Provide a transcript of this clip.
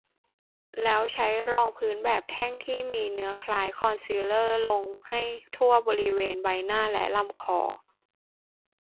แล้วใช้รองพื้นแบบแท่งที่มีเนื้อคล้ายคอนซีลเลอร์ลงให้ทั่วบริเวณใบหน้า และลำคอ